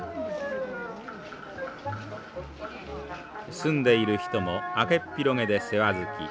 住んでいる人も開けっぴろげで世話好き